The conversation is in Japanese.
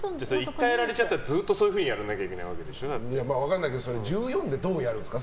１回やられちゃったらずっとそういうふうにやらなきゃ分かんないけど１４でどうやるんですか？